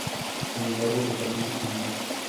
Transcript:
Sin embargo, totalmente creíble.